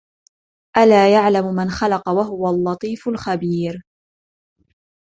ألا يعلم من خلق وهو اللطيف الخبير